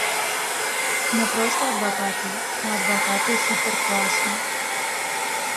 Не проста адвакаты, а адвакаты супер-класу.